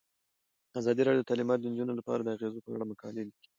ازادي راډیو د تعلیمات د نجونو لپاره د اغیزو په اړه مقالو لیکلي.